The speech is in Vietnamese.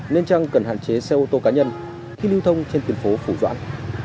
nên chăng cần hạn chế xe ô tô cá nhân khi lưu thông trên tuyến phố phủ doãn